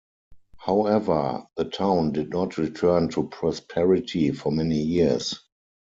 However, the town did not return to prosperity for many years.